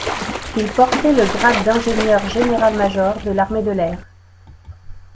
Il portait le grade d'ingénieur général-major de l'armée de l'air.